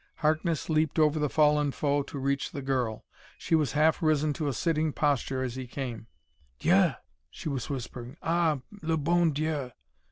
Harkness leaped over the fallen foe to reach the girl. She was half risen to a sitting posture as he came. "Dieu!" she was whispering; "_Ah, le bon Dieu!